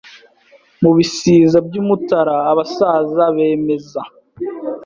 Mu bisiza by'Umutara Abasaza bemeza